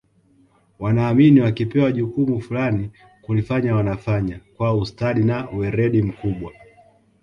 wanaamini wakipewa jukumu fulani kulifanya wanafanya kwa ustadi na weredi mkubwa